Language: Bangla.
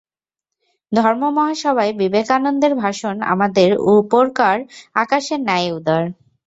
ধর্ম-মহাসভায় বিবেকানন্দের ভাষণ আমাদের উপরকার আকাশের ন্যায় উদার।